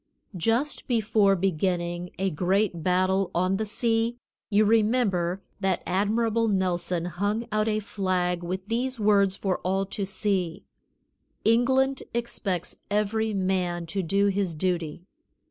Just before beginning a great battle on the sea, you remember that Admiral Nelson hung out a flag with these words for all to see: "England expects every man to do his duty."